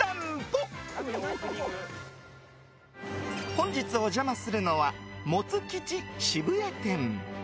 本日お邪魔するのはもつ吉渋谷店。